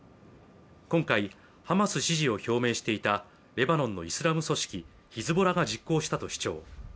今回ハマス支持を表明していたレバノンのイスラム組織ヒズボラが実行したと主張